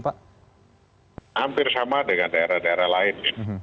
hampir sama dengan daerah daerah lain